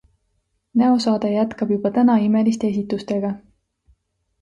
Näosaade jätkab juba täna imeliste esitustega!